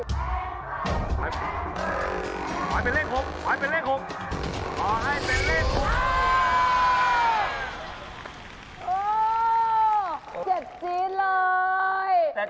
หอไว้เป็นเลข๖ถอให้เป็นเลข๖